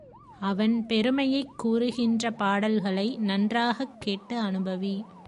அவன் பெருமையைக் கூறுகின்ற பாடல்களை நன்றாகக் கேட்டு அநுபவி.